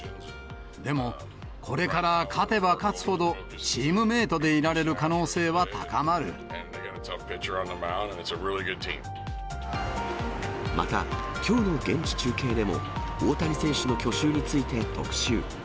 でも、これから勝てば勝つほど、チームメートでいられる可能性はまた、きょうの現地中継でも、大谷選手の去就について特集。